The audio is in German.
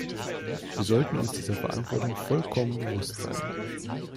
Wir sollten uns dieser Verantwortung vollkommen bewusst sein.